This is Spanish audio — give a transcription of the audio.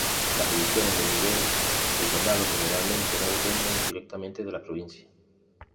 Las divisiones de nivel de condado generalmente no dependen directamente de la provincia.